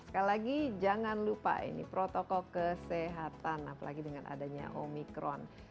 sekali lagi jangan lupa ini protokol kesehatan apalagi dengan adanya omikron